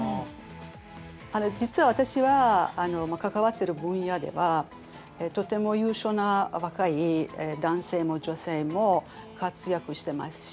実は私は関わってる分野ではとても優秀な若い男性も女性も活躍してますし